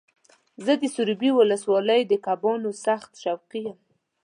زه د سروبي ولسوالۍ د کبانو سخت شوقي یم.